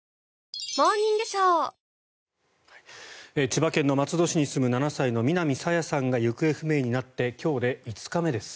千葉県の松戸市に住む７歳の南朝芽さんが行方不明になって今日で５日目です。